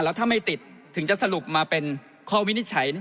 แล้วถ้าไม่ติดถึงจะสรุปมาเป็นข้อวินิจฉัย